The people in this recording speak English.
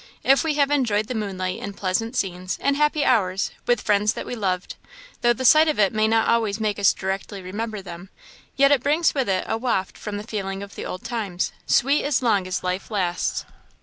If we have enjoyed the moonlight in pleasant scenes, in happy hours, with friends that we loved though the sight of it may not always make us directly remember them, yet it brings with it a waft from the feeling of the old times sweet as long as life lasts!"